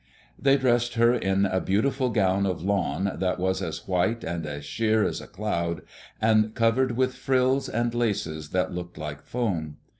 They dressed her in a beautiful gown of lawn that was as white and as sheer as a cloud, and covered with frills and laces that looked like foam.